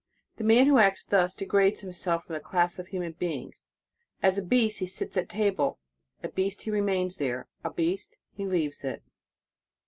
The man who acts thus, degrades himself from the class of human beings; as a beast, he sits at table, a beast, he remains there, a beast, he leaves it.